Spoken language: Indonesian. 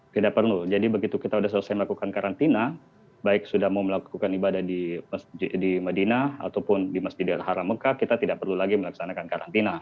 tidak perlu jadi begitu kita sudah selesai melakukan karantina baik sudah mau melakukan ibadah di medina ataupun di masjidil haram mekah kita tidak perlu lagi melaksanakan karantina